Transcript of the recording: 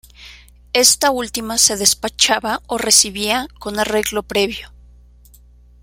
Esta última se despachaba o recibía con arreglo previo.